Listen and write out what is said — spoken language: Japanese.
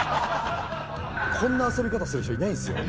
こんな遊び方する人いないですよ。